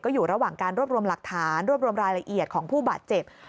อยู่ระหว่างการรวบรวมหลักฐานรวบรวมรายละเอียดของผู้บาดเจ็บ